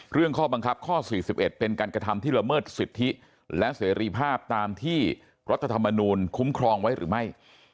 ข้อบังคับข้อ๔๑เป็นการกระทำที่ละเมิดสิทธิและเสรีภาพตามที่รัฐธรรมนูลคุ้มครองไว้หรือไม่